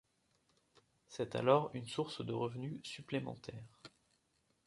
C'est alors une source de revenus supplémentaires.